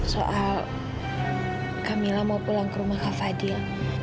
soal kak mila mau pulang ke rumah kak fadil